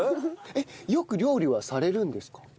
よく料理はされるんですか？